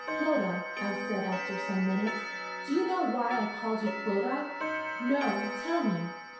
'Clodagh,' I said after some minutes 'do you know why I called you Clodagh?' 'No? Tell me?'